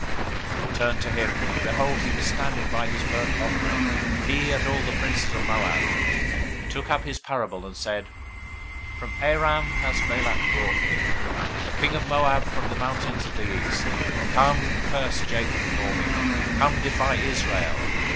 023:006 He returned to him, and behold, he was standing by his burnt offering, he, and all the princes of Moab. 023:007 He took up his parable, and said, From Aram has Balak brought me, The king of Moab from the mountains of the East: Come, curse me Jacob, Come, defy Israel.